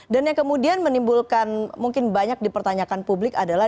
dan yang kemudian menimbulkan mungkin banyak dipertanyakan publik adalah